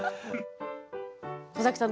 小崎さん